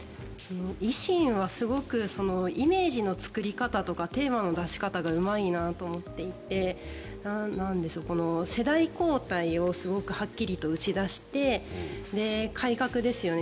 維新はすごくイメージの作り方とかテーマの出し方がうまいなと思っていて世代交代をすごくはっきりと打ち出して改革ですよね。